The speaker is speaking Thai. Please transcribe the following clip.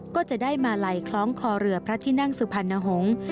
ก็จะได้มาลัยคล้องคอเรือพระที่นั่งสุพรรณหงษ์